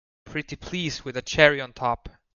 Pretty please with a cherry on top!